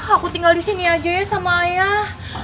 aku tinggal disini aja ya sama ayah